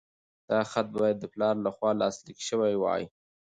دا خط باید د پلار لخوا لاسلیک شوی وای.